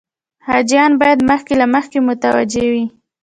حاجیان باید مخکې له مخکې متوجه وي.